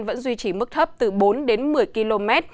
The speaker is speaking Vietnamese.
vẫn duy trì mức thấp từ bốn đến một mươi km